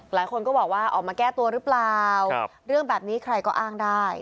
หลายคนก็บอกว่าออกมาแก้ตัวหรือเปล่าเรื่องแบบนี้ใครก็อ้างได้